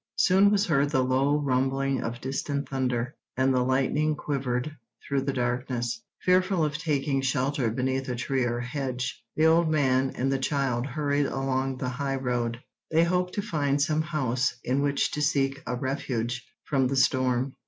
Soon was heard the low rumbling of distant thunder, and the lightning quivered through the darkness. Fearful of taking shelter beneath a tree or hedge, the old man and the child hurried along the highroad. They hoped to find some house in which to seek a refuge from the storm.